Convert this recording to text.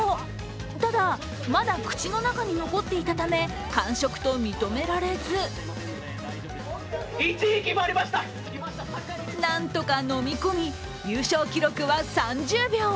ただ、まだ口の中に残っていたため完食と認められずなんとか飲み込み、優勝記録は３０秒。